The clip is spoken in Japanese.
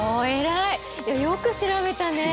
いやよく調べたね！